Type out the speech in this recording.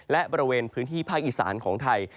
และบริเวณพื้นที่ภาคอีสานของไทย